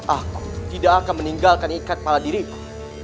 aku tidak akan meninggalkan ikat pala diriku